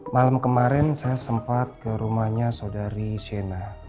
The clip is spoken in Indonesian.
malam kemarin saya sempat ke rumahnya saudari shena